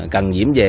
cần diễm về